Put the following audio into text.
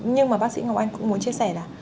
nhưng mà bác sĩ ngọc anh cũng muốn chia sẻ là